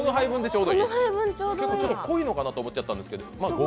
ちょっと濃いのかなと思っちゃったんですけど。